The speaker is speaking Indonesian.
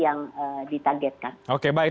yang ditagetkan oke baik